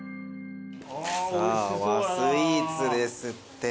さあ和スイーツですって。